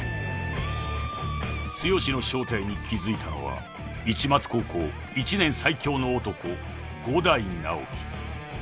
［剛の正体に気付いたのは市松高校１年最強の男伍代直樹］